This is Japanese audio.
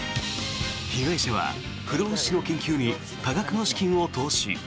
被害者は不老不死の研究に多額の資金を投資。